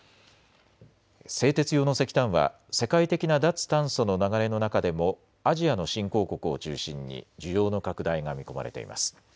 製鉄用の石炭は世界的な脱炭素の流れの中でもアジアの新興国を中心に需要の拡大が見込まれています。